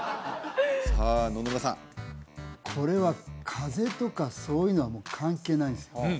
さあ野々村さんこれは風とかそういうのはもう関係ないです